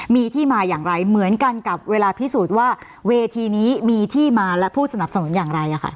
มีที่มาอย่างไรเหมือนกันกับเวลาพิสูจน์ว่าเวทีนี้มีที่มาและผู้สนับสนุนอย่างไร